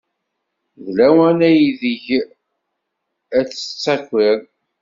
D lawan aydeg ay d-tettakiḍ.